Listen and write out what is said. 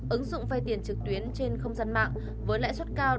ứng dụng vay tiền trực tuyến trên không gian mạng với lãi suất cao